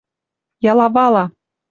Ялавала